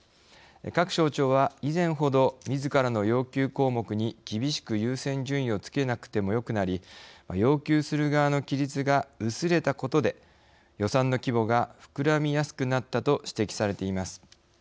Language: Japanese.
各省庁は以前ほど自らの要求項目に厳しく優先順位をつけなくてもよくなり要求する側の規律が薄れたことで予算の規模が膨らみやすくなったと指摘されています。